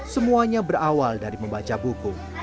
semuanya berawal dari membaca buku